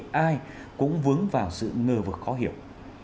ai cũng vướng vào sự ngờ vực khó hiểu